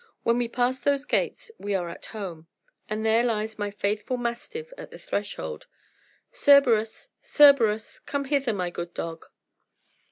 When we pass those gates, we are at home. And there lies my faithful mastiff at the threshold. Cerberus! Cerberus! Come hither, my good dog!"